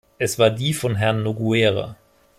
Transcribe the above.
Es war die von Herrn Nogueira.